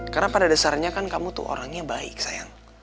karena pada dasarnya kan kamu tuh orangnya baik sayang